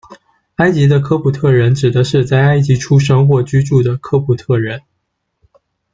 埃及的科普特人，指的是在埃及出生或居住的科普特人。